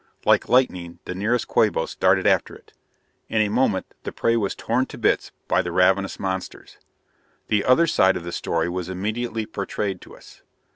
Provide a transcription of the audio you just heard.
Like lightning the nearest Quabos darted after it. In a moment the prey was torn to bits by the ravenous monsters. The other side of the story was immediately portrayed to us.